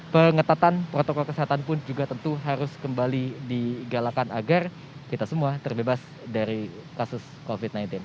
pengetatan protokol kesehatan pun juga tentu harus kembali digalakan agar kita semua terbebas dari kasus covid sembilan belas